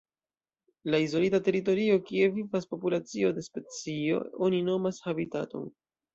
La izolita teritorio kie vivas populacio de specio oni nomas habitaton.